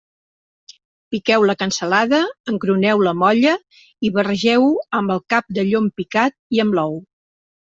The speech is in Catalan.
Piqueu la cansalada, engruneu la molla i barregeu-ho amb el cap de llom picat i amb l'ou.